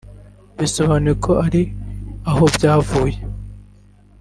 bisobanuye ko hari aho rwavuye